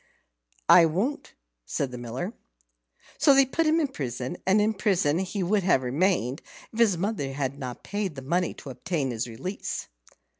"I won't," said the Miller. So they put him in prison, and in prison he would have remained if his mother had not paid the money to obtain his release.